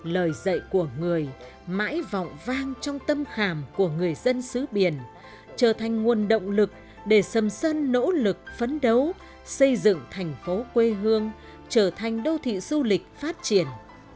lời dạy của người mãi vọng vang trong tâm khảm của người dân xứ biển trở thành nguồn động lực để sầm sơn nỗ lực phấn đấu xây dựng thành phố quê hương trở thành đô thị du lịch phát triển